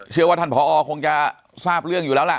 เชื่อว่าท่านผอคงจะทราบเรื่องอยู่แล้วล่ะ